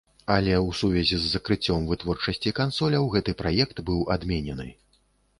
Але ў сувязі з закрыццём вытворчасці кансоляў, гэты праект быў адменены.